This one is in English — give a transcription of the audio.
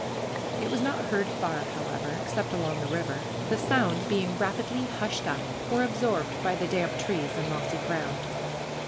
It was not heard far, however, except along the river, the sound being rapidly hushed up or absorbed by the damp trees and mossy ground.